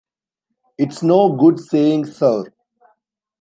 It's no good saying 'Sir?'